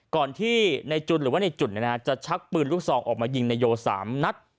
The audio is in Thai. ก่อนที่ในจุนหรือว่าในจุ่นจะชักปืนลูกซองออกมายิงนายโย๓นัด